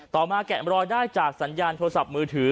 ต่อมาแกะมรอยได้จากสัญญาณโทรศัพท์มือถือ